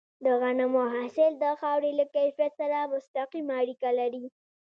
د غنمو حاصل د خاورې له کیفیت سره مستقیمه اړیکه لري.